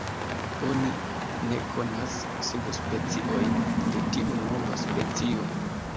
Oni ne konas subspeciojn de tiu “nova” specio.